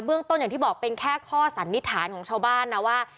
ต้นอย่างที่บอกเป็นแค่ข้อสันนิษฐานของชาวบ้านนะว่า